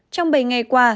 trong bảy ngày qua